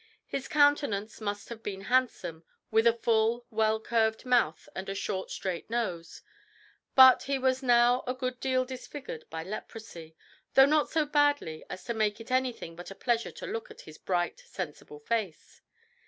His countenance must have been handsome, with a full, well curved mouth and a short, straight nose; but he was now a good deal disfigured by leprosy, though not so badly as to make it anything but a pleasure to look at his bright, sensible face.